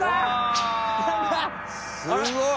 すごい！